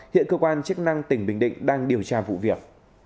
hiện cơ quan chức năng tỉnh bình định đang điều tra vụ việc